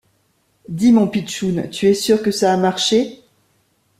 Dis mon pitchoun, tu es sûr que ça a marché?